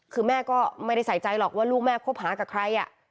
คือแม่ก็ไม่ได้ใส่ใจหรอกว่าลูกแม่คบหากับใคร